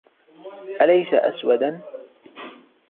أليس أسوداً ؟